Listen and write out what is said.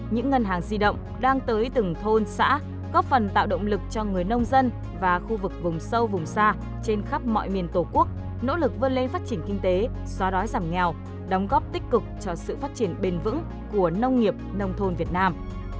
những ngân hàng di động đang tới từng thôn xã góp phần tạo động lực cho sự phát triển bền vững của nông nghiệp nông thôn việt nam